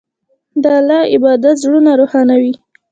د الله عبادت زړونه روښانوي.